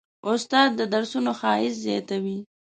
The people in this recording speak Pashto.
استاد د درسونو ښایست زیاتوي.